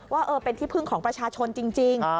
ว่าเป็นที่พึ่งของประชาชนจริง